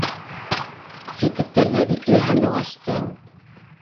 Ситлектәрҙә бикле һандуғастың